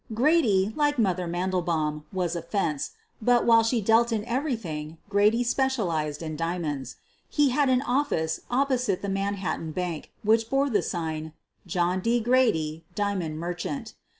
Grady, like "Mother" Mandelbaum, was a "fence," but, while she dealt in everything, Grady specialized in diamonds. He had an office opposite 202 SOPHIE LYONS the Manhattan Bank, which bore the sign, "John D. Grady, Diamond Merchant."